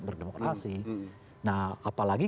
berdemokrasi nah apalagi